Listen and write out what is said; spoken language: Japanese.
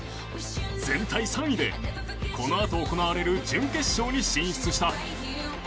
全体３位で、このあと行われる準決勝に進出した。